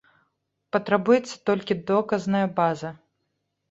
Патрабуецца толькі доказная база.